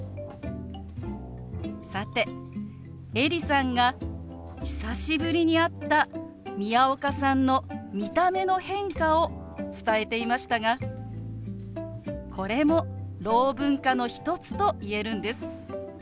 さてエリさんが久しぶりに会った宮岡さんの見た目の変化を伝えていましたがこれもろう文化の一つと言えるんです。